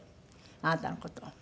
あなたの事を。